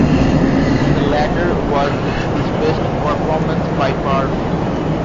The latter was his best performance by far.